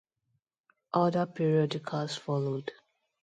Other periodicals followed.